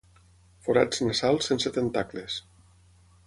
Forats nasals sense tentacles.